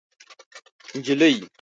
نجلۍ